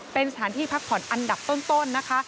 เป็นสถานที่พักผ่อนอันดับต้นนะคะ